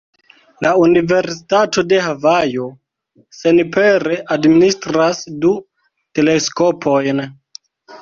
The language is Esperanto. La Universitato de Havajo senpere administras du teleskopojn.